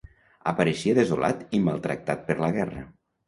Apareixia desolat i maltractat per la guerra.